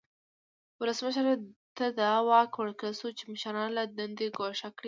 ولسمشر ته دا واک ورکړل شو چې مشران له دندې ګوښه کړي.